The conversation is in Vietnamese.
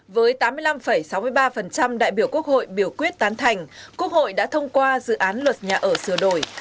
với tám mươi năm sáu mươi ba đại biểu quốc hội biểu quyết tán thành quốc hội đã thông qua dự án luật nhà ở sửa đổi